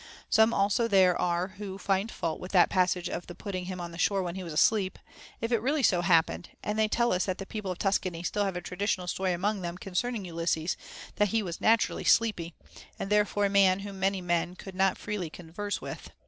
Some also there are who find fault with that passage of the putting him on shore when he was asleep, if it really so happened, and they tell us that the people of Tuscany have still a tradi tional story among them concerning Ulysses, that he was naturally sleepy, and therefore a man whom many men could not freely converse with.